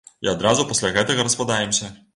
І адразу пасля гэтага распадаемся.